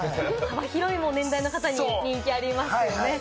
広い年代の方に人気がありますよね。